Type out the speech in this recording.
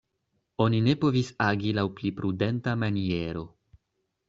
Oni ne povis agi laŭ pli prudenta maniero.